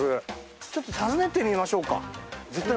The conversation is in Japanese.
ちょっと訪ねてみましょうか。